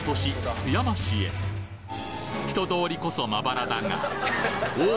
津山市へ人通りこそまばらだがお！